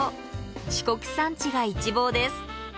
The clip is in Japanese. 四国山地が一望です。